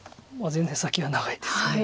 全然先は長いです。